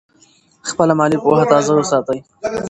خپله مالي پوهه تازه وساتئ.